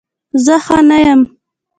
زه ښه نه یم